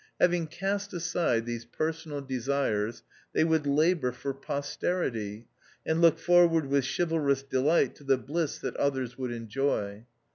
Having cast aside these personal desires, they would labour for posterity, and look forward with chivalrous delight to the bliss that others would enjoy.